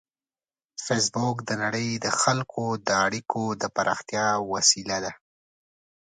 فېسبوک د نړۍ د خلکو د اړیکو د پراختیا وسیله ده